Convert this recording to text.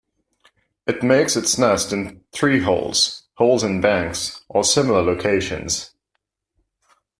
It makes its nest in tree holes, holes in banks, or similar locations.